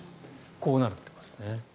こうなるってことですね。